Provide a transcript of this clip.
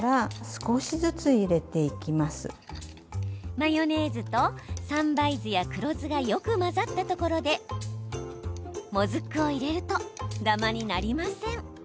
マヨネーズと三杯酢や黒酢がよく混ざったところでもずくを入れるとダマになりません。